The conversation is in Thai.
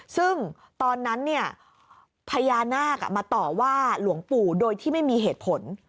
ซึ่งตอนนั้นเนี่ยพญานาคมาต่อว่าหลวงปู่โดยที่ไม่มีเหตุผล